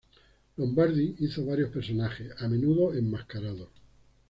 Lombardi hizo varios personajes, a menudo enmascarados.